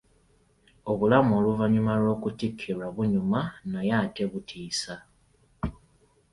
Obulamu oluvannyuma lw'okutikkirwa bunyuma naye ate butiisa.